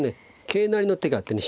桂成りの手があってね